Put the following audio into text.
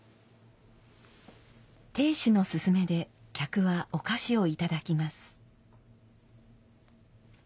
亭主の勧めで客はお菓子をいただきます。